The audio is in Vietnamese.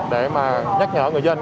để nhắc nhở người dân